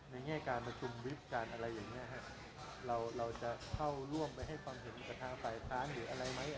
แง่การประชุมวิบกันอะไรอย่างนี้ฮะเราเราจะเข้าร่วมไปให้ความเห็นกับทางฝ่ายค้านหรืออะไรไหม